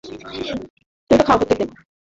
Peter, তুমি তো নিজেই নিজেকে ছাড়িয়ে গেছ।